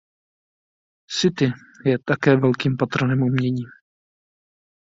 City je také velkým patronem umění.